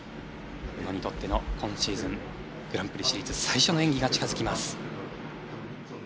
宇野にとっての今シーズングランプリシリーズ最初の演技が近づきます。